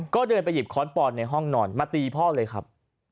ก็เดินไปหยิบค้อนปอนในห้องนอนมาตีพ่อเลยครับ